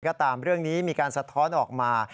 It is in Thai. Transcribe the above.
ก็ตามเรื่องนี้มีการสะท้อนออกมา